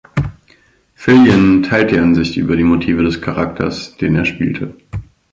Fillion teilt die Ansicht über die Motive des Charakters, den er spielte.